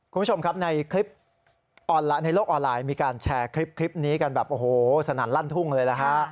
คุณผู้ชมครับในโลกออนไลน์มีการแชร์คลิปนี้กันแบบสนานลั่นทุ่งเลยนะคะ